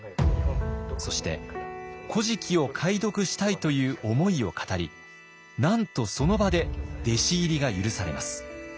そして「古事記」を解読したいという思いを語りなんとその場で弟子入りが許されます。